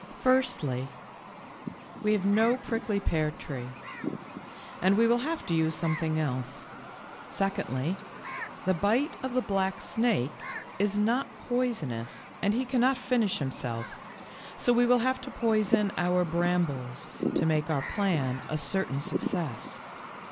''Firstly, we have no prickly pear tree, and we will have to use something else. Secondly, the bite of the black snake is not poisonous and he cannot finish himself, so we will have to poison our brambles to make our plan a certain success.